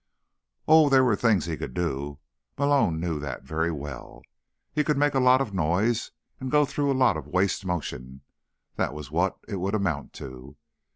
Oh, there were things he could do. Malone knew that very well. He could make a lot of noise and go through a lot of waste motion—that was what it would amount to.